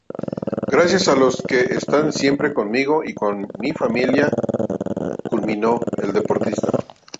Gracias a los que están siempre conmigo y con mi familia"", culminó el deportista.